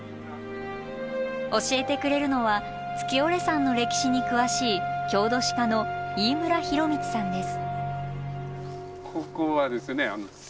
教えてくれるのは月居山の歴史に詳しい郷土史家の飯村尋道さんです。